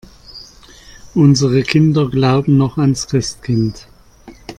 Unsere Kinder glauben noch ans Christkind.